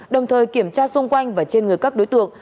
đồng thời kiểm tra xung quanh và trên người các đối tượng